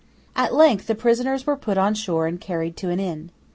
At length the prisoners were put on shore and carried to an inn.